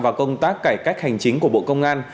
và công tác cải cách hành chính của bộ công an